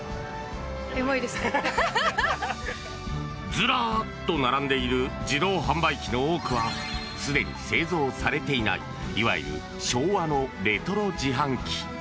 ずらーっと並んでいる自動販売機の多くはすでに製造されていないいわゆる昭和のレトロ自販機。